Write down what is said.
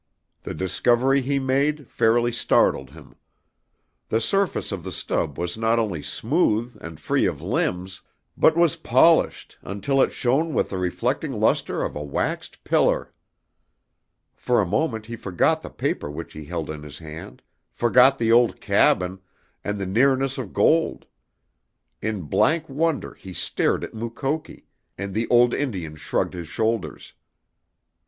The discovery he made fairly startled him. The surface of the stub was not only smooth and free of limbs, but was polished until it shone with the reflecting luster of a waxed pillar! For a moment he forgot the paper which he held in his hand, forgot the old cabin, and the nearness of gold. In blank wonder he stared at Mukoki, and the old Indian shrugged his shoulders.